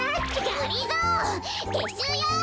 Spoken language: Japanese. がりぞーてっしゅうよ！